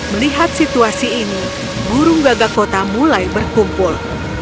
melihat situasi ini burung gagak kota mulai berkumpul